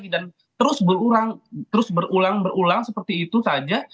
dan terus berulang ulang seperti itu saja